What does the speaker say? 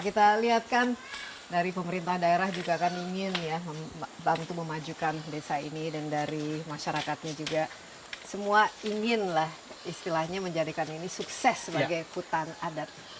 kita lihat kan dari pemerintah daerah juga kan ingin ya membantu memajukan desa ini dan dari masyarakatnya juga semua inginlah istilahnya menjadikan ini sukses sebagai hutan adat